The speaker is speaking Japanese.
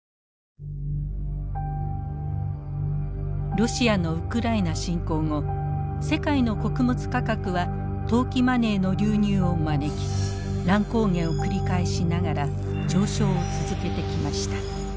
ロシアのウクライナ侵攻後世界の穀物価格は投機マネーの流入を招き乱高下を繰り返しながら上昇を続けてきました。